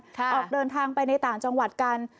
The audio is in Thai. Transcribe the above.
ออกเดินทางไปในต่างจังหวัดกัน